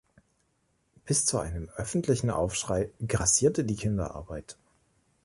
Bis zu einem öffentlichen Aufschrei grassierte die Kinderarbeit.